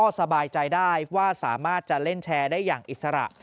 สบายใจได้ว่าสามารถจะเล่นแชร์ได้อย่างอิสระ